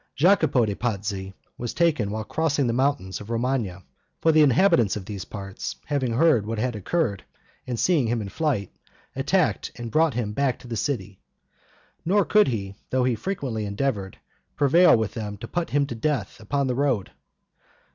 Jacopo de' Pazzi was taken while crossing the mountains of Romagna, for the inhabitants of these parts having heard what had occurred, and seeing him in flight, attacked and brought him back to the city; nor could he, though he frequently endeavored, prevail with them to put him to death upon the road.